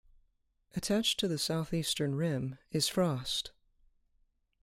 Attached to the southeastern rim is Frost.